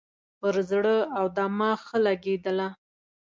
پر زړه او دماغ ښه لګېدله.